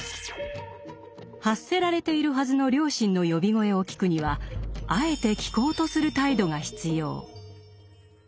発せられているはずの「良心の呼び声」を聞くにはあえて聴こうとする態度が必要。